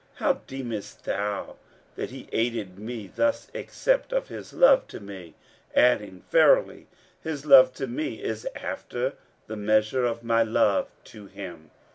How deemest thou that He aided me thus except of His love to me?' adding, 'Verily, His love to me is after the measure of my love to Him.'